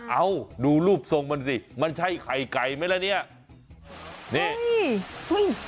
เอาดูรูปทรงมันสิมันใช่ไข่ไก่ไหมล่ะเนี่ยนี่อุ้ย